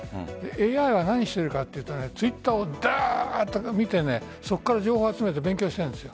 ＡＩが何してるかというとＴｗｉｔｔｅｒを見てそこから情報を集めて勉強している。